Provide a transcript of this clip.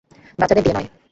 বাচ্চাদের দিয়ে নয়।